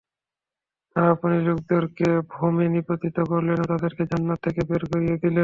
আর আপনি লোকদেরকে ভ্রমে নিপতিত করলেন ও তাদেরকে জান্নাত থেকে বের করিয়ে দিলেন।